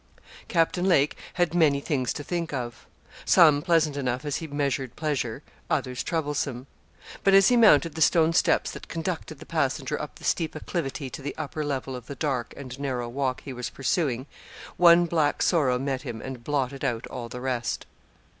Captain Lake had many things to think of. Some pleasant enough as he measured pleasure, others troublesome. But as he mounted the stone steps that conducted the passenger up the steep acclivity to the upper level of the dark and narrow walk he was pursuing, one black sorrow met him and blotted out all the rest.